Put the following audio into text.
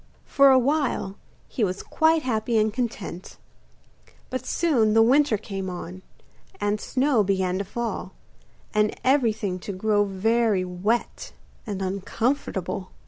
For a while he was quite happy and content; but soon the winter came on, and snow began to fall, and everything to grow very wet and uncomfortable.